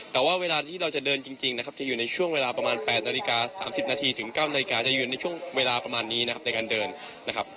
แต่ว่าเวลาที่เราจะเดินจริงนะครับจะอยู่ในช่วงเวลาประมาณ๘นาฬิกา๓๐นาทีถึง๙นาฬิกาจะยืนในช่วงเวลาประมาณนี้นะครับในการเดินนะครับ